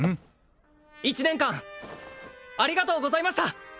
１年間ありがとうございました！